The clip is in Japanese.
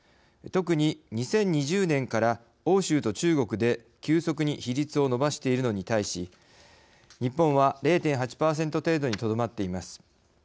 特に２０２０年から欧州と中国で急速に比率を伸ばしているのに対し日本は０．８％程度にとどまっています。